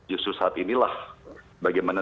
justru saat inilah bagaimana